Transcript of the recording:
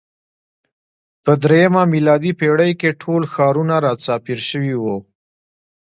په درېیمه میلادي پېړۍ کې ټول ښارونه راچاپېر شوي وو.